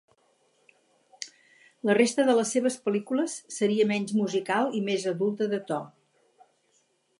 La resta de les seves pel·lícules seria menys musical i més adulta de to.